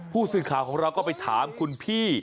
ผู้สื่อข่าวของเราก็ไปถามคุณพี่